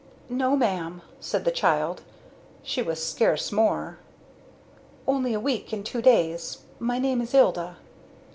"No, ma'am," said the child she was scarce more. "Only a week and two days. My name is Ilda."